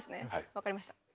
分かりました。